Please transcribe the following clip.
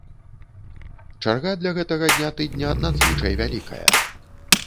Чарга для гэтага дня тыдня надзвычай вялікая.